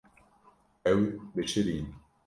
Ew bişirîn.